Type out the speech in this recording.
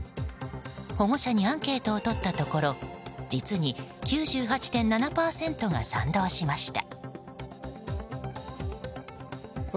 保護者にアンケートを取ったところ実に９８．７％が賛同しました。